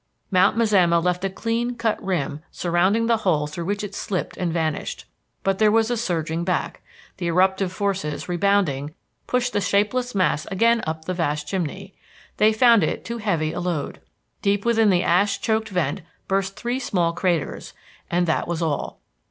Mount Mazama left a clean cut rim surrounding the hole through which it slipped and vanished. But there was a surging back. The eruptive forces, rebounding, pushed the shapeless mass again up the vast chimney. They found it too heavy a load. Deep within the ash choked vent burst three small craters, and that was all.